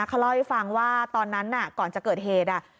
เขาเล่าให้ฟังว่าตอนนั้นก่อนจะเกิดเหตุ